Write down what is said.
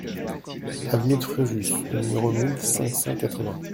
Avenue de Fréjus au numéro mille cinq cent quatre-vingts